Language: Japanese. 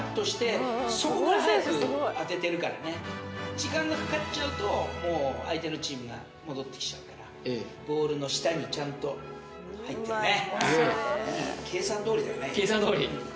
時間がかかっちゃうともう相手のチームが戻ってきちゃうからボールの下にちゃんと入ってるね